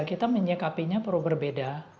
kita menyekapinya perlu berbeda